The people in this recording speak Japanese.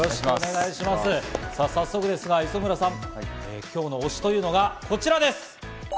早速ですが磯村さん、今日の推しというのがこちらです。